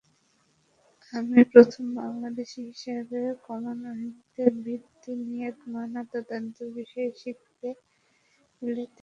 আমিই প্রথম বাংলাদেশি হিসেবে কমনওয়েলথ বৃত্তি নিয়ে ময়নাতদন্ত বিষয়ে শিখতে বিলেতে যাই।